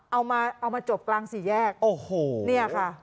เอามาจบกลางสี่แยกนี่ค่ะ